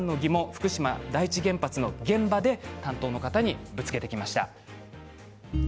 福島第一原発で担当の方にぶつけてきました。